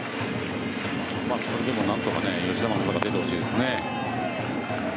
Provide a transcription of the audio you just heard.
それでも何とか吉田正尚、出てほしいですね。